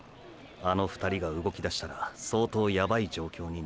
あの２人が動きだしたら相当ヤバイ状況になる。